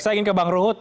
saya ingin ke bang ruhut